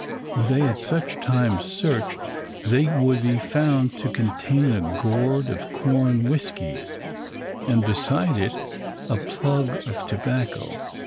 Were they at such times searched, they would be found to contain a gourd of corn whisky, and beside it a plug of tobacco.